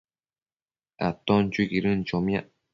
aton chuiquidën chomiac